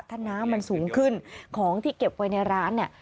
ถ้าน้ำมันสูงขึ้นของที่เก็บไว้ในร้านเนี่ย